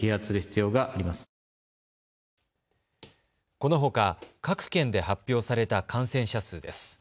このほか各県で発表された感染者数です。